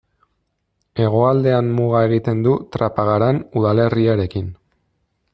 Hegoaldean muga egiten du Trapagaran udalerriarekin.